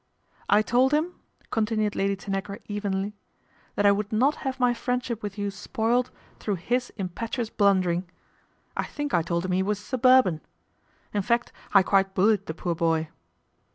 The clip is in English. " 1 told him," continued Lady Tanagra evenly, " that I would not have my friendship with you spoiled through his impetuous blundering. I think I told him he was suburban. In fact I quite bullied the poor boy.